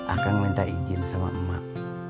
akan minta izin sama umat